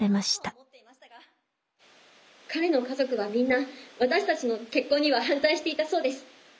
彼の家族はみんな私たちの結婚には反対していたそうです。